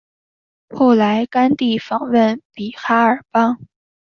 后来甘地访问比哈尔邦。